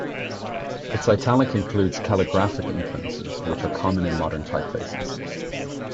Its italic includes calligraphic influences, which are common in modern typefaces.